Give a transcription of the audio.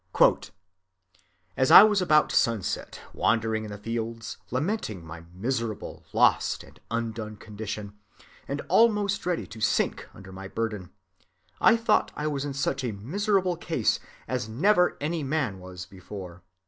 "As I was about sunset wandering in the fields lamenting my miserable lost and undone condition, and almost ready to sink under my burden, I thought I was in such a miserable case as never any man was before.